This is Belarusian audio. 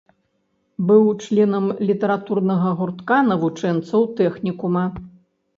Быў членам літаратурнага гуртка навучэнцаў тэхнікума.